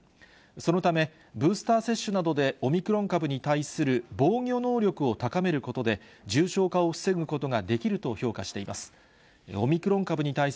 そのため、ブースター接種などでオミクロン株に対する防御能力を高めることで、重症化を防ぐことができると評価しています。